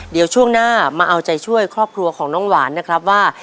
เดี๋ยวช่วงหน้ามาเอาใจช่วยครอบครัวของน้องหวานนะครับว่า